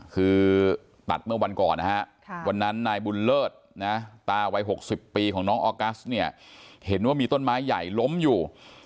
คือตัดเมื่อวันก่อนนะฮะวันนั้นนายบุญเลิศนะตาวัย๖๐ปีของน้องออกัสเนี่ยเห็นว่ามีต้นไม้ใหญ่ล้มอยู่